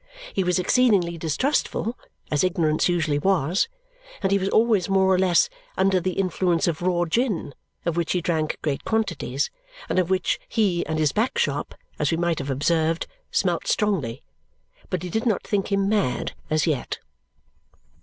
He was exceedingly distrustful, as ignorance usually was, and he was always more or less under the influence of raw gin, of which he drank great quantities and of which he and his back shop, as we might have observed, smelt strongly; but he did not think him mad as yet.